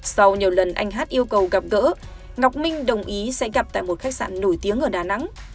sau nhiều lần anh hát yêu cầu gặp gỡ ngọc minh đồng ý sẽ gặp tại một khách sạn nổi tiếng ở đà nẵng